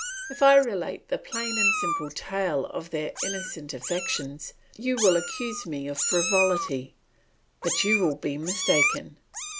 If I relate the plain and simple tale of their innocent affections you will accuse me of frivolity, but you will be mistaken.